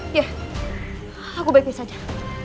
ya aku baik baik saja